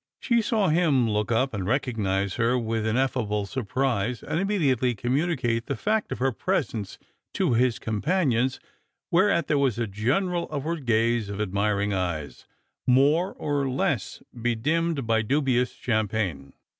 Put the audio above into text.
She saw him look up and recognise her with inef fable surprise, and immediately communicate the fact of her presence to his companions, whereat there was a general up ward gaze of admiring eyes, more or less bedimmed by dubious champagne.